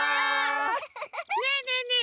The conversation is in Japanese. ねえねえねえ